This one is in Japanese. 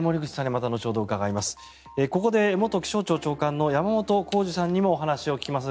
ここで元気象庁長官の山本孝二さんにもお話を聞きます。